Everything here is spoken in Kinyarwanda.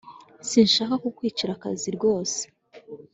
Sinshaka kukwicira akazi rwose